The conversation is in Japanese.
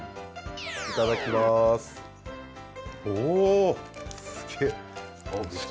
いただきます。